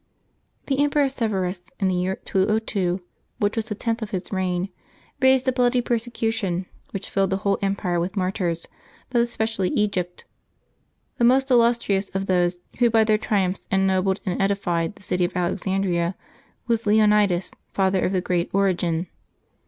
^<HE Emperor Severus, in the year 202, which was the ^y tenth of his reign, raised a blood)^ persecution, which filled the whole empire with martyrs, but especially Egypt. The most illustrious of those who by their triumphs en nobled and edified the city of Alexandria was Leonides, father of the great Origen.